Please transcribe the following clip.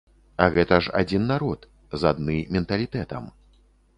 А гэта ж адзін народ, з адны менталітэтам.